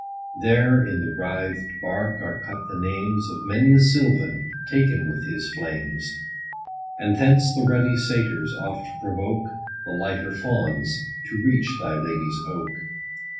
There, in the writhed bark, are cut the names Of many a sylvan, taken with his flames ; And thence the ruddy satyrs oft provoke The lighter fauns, to reach thy lady's oak.